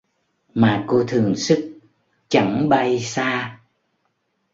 Mà cô thường xức, chẳng bay xa